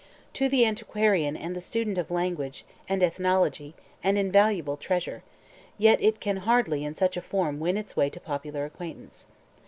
To the antiquarian and the student of language and ethnology an invaluable treasure, it yet can hardly in such a form win its way to popular acquaintance.